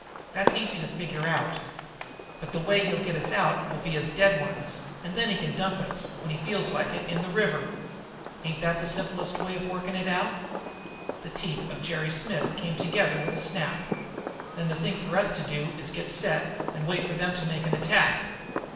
That's easy to figure out. But the way he'll get us out will be as dead ones, and then he can dump us, when he feels like it, in the river. Ain't that the simplest way of working it out?" The teeth of Jerry Smith came together with a snap. "Then the thing for us to do is to get set and wait for them to make an attack?"